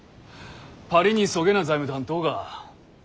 パリにそげな財務担当が。